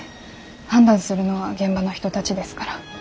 判断するのは現場の人たちですから。